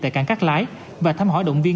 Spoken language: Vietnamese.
tại cảng cát lái và thăm hỏi động viên